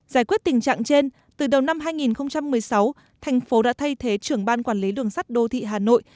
giải quyết tình trạng trên từ đầu năm hai nghìn một mươi sáu thành phố đã thay thế trưởng ban quản lý đường sắt đô thị hà nội